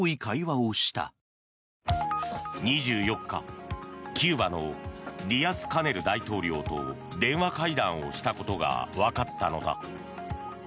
２４日、キューバのディアスカネル大統領と電話会談をしたことがわかったのだ。